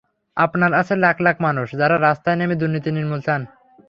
আপনার আছে লাখ লাখ মানুষ, যাঁরা রাস্তায় নেমে দুর্নীতির নির্মূল চান।